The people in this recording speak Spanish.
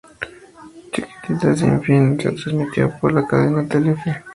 Chiquititas sin fin, se transmitió por la cadena Telefe.